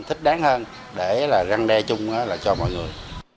thích đáng hơn để răng đe chung cho mọi người